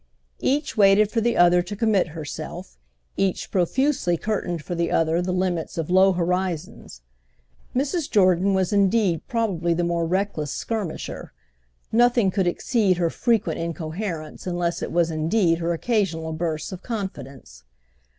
Each waited for the other to commit herself, each profusely curtained for the other the limits of low horizons. Mrs. Jordan was indeed probably the more reckless skirmisher; nothing could exceed her frequent incoherence unless it was indeed her occasional bursts of confidence.